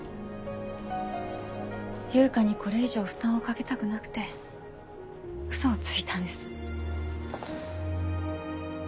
悠香にこれ以上負担をかけたくなくてウソをついたんです。